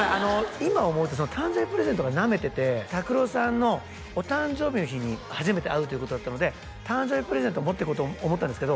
今思うと誕生日プレゼントがなめててＴＡＫＵＲＯさんのお誕生日の日に初めて会うということだったので誕生日プレゼント持っていこうと思ったんですけど